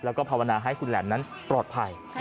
แล้วก็ภาวนาให้คุณแหลมนั้นปลอดภัย